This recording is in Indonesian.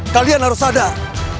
kalian harus sadar